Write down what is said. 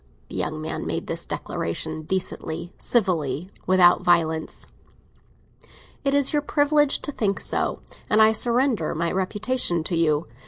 The young man made this declaration decently, civilly, without violence. "It is your privilege to think so, and I surrender my reputation to you!